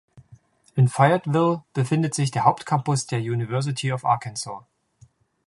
In Fayetteville befindet sich der Hauptcampus der University of Arkansas.